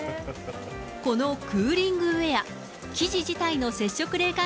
このクーリングウエア、生地自体の接触冷感